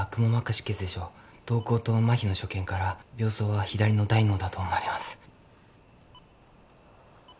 瞳孔と麻痺の所見から病巣は左の大脳だと思われます。